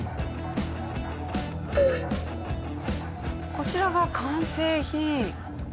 こちらが完成品。